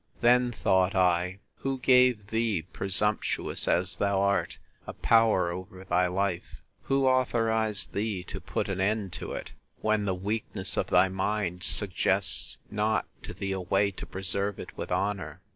Then, thought I, who gave thee, presumptuous as thou art, a power over thy life? Who authorised thee to put an end to it, when the weakness of thy mind suggests not to thee a way to preserve it with honour?